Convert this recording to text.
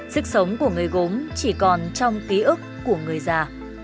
sức sống của người gốm chỉ còn trong ký ức của người già